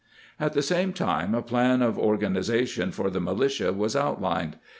/■ At the same time a plan of organization for the militia was outlined.